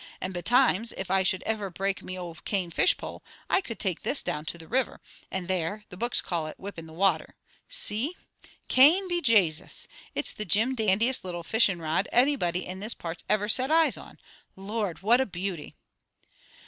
And betimes, if I should iver break me old cane fish pole, I could take this down to the river, and there, the books call it 'whipping the water.' See! Cane, be Jasus! It's the Jim dandiest little fishing rod anybody in these parts iver set eyes on. Lord! What a beauty!"